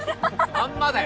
まんまだよ